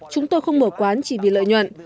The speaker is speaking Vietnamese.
chúng tôi không mở quán chỉ vì lợi nhuận